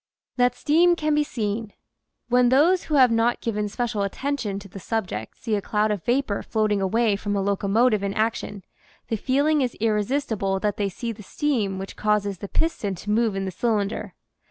THAT STEAM CAN BE SEEN those who have not given special attention to the subject see a cloud of vapor floating away from a locomotive in action, the feeling is irre sistible that they see the steam which causes the piston to move in the cylinder.